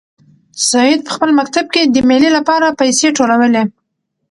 سعید په خپل مکتب کې د مېلې لپاره پیسې ټولولې.